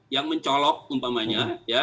yang mencolok umpamanya